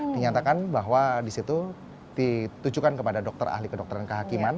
dinyatakan bahwa disitu ditujukan kepada dokter ahli kedokteran kehakiman